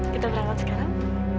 kita berangkat sekarang